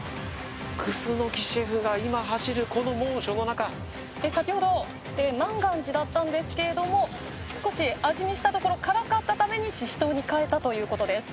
楠シェフが今走るこの猛暑の中先ほど万願寺だったんですけれども少し味見したところ辛かったためにシシトウに変えたということです